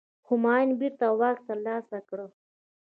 همایون بیرته واک ترلاسه کړ.